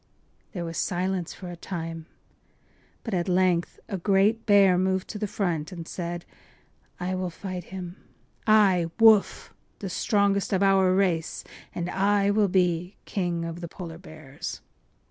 ” There was silence for a time, but at length a great bear moved to the front and said: “I will fight him; I—Woof—the strongest of our race! And I will be King of the Polar Bears.